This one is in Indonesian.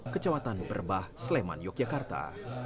kecamatan berbah sleman yogyakarta